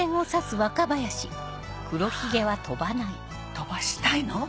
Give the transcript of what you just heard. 飛ばしたいの？